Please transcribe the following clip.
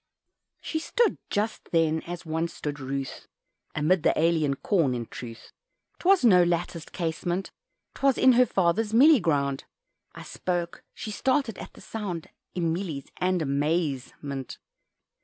She stood just then as once stood Ruth, "Amid the alien corn" in truth 'Twas at no latticed casement 'Twas in her father's "mealie" ground I spoke she started at the sound In mealies and a_maze_ment.